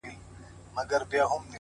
• نوم یې ولي لا اشرف المخلوقات دی؟ -